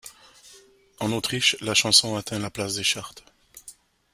En Autriche, la chanson atteint la place des charts.